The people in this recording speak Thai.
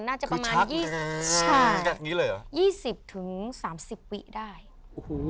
น่าจะประมาณยี่สิบใช่จากนี้เลยเหรอยี่สิบถึงสามสิบวิได้โอ้โห